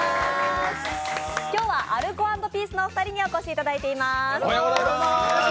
今日はアルコ＆ピースのお二人にお越しいただいています。